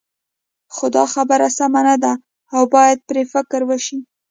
خو دا خبره سمه نه ده او باید پرې فکر وشي.